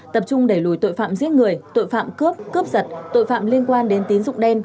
tập trung đẩy lùi tội phạm giết người tội phạm cướp cướp giật tội phạm liên quan đến tín dụng đen